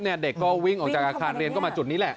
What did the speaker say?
เด็กก็วิ่งออกจากอาคารเรียนก็มาจุดนี้แหละ